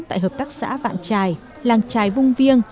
tại hợp tác xã vạn trài làng trài vung viêng